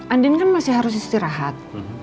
andin kan masih harus istirahat